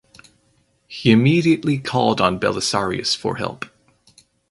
He immediately called on Belisarius for help.